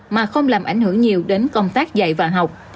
mà không làm ảnh hưởng nhiều đến công tác dạy và học